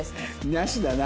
なしだな。